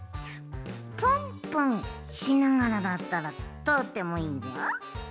プンプンしながらだったらとおってもいいよ。